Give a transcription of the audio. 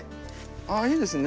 あいいですね！